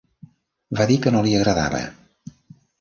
Va dir que no li agradava.